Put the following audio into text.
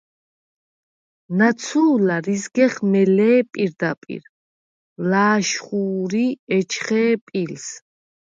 ნაცუ̄ლარ იზგეხ მელე̄ პირდაპირ, ლა̄შხუ̄რი ეჩხე̄ პილს.